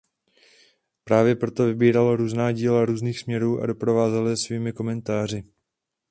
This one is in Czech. Právě proto vybíral různá díla různých směrů a doprovázel je svými komentáři.